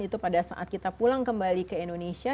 itu pada saat kita pulang kembali ke indonesia